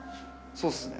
そうですね。